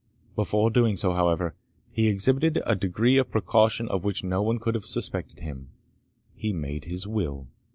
Before doing so, however, he exhibited a degree of precaution of which no one could have suspected him he made his will!